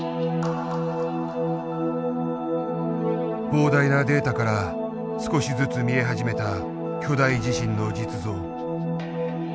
膨大なデータから少しずつ見え始めた巨大地震の実像。